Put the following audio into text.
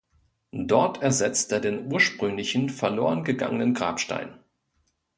Dort ersetzt er den ursprünglichen, verloren gegangenen Grabstein.